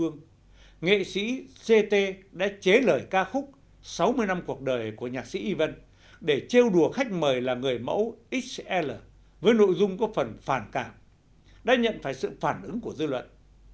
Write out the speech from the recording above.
nghệ sĩ ct đã chế lời ca khúc sáu mươi năm cuộc đời của nhạc sĩ y vân để trêu đùa khách mời là người mẫu xl với nội dung có phần phản cảm đã nhận phải sự phản ứng của dư luận